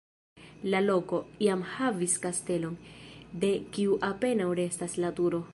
La loko, iam havis kastelon, de kiu apenaŭ restas la turo.